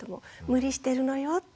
無理してるのよって。